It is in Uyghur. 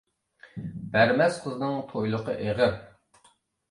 بەرمەس قىزنىڭ تويلۇقى ئېغىر.